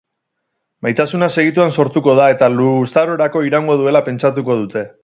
Maitasuna segituan sortuko da, eta luzarorako iraungo duela pentsatuko dute.